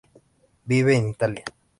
Vive en Italia.